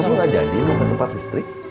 kamu nggak jadi mau ke tempat listrik